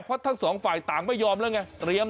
เพราะทั้งสองฝ่ายต่างไม่ยอมแล้วไง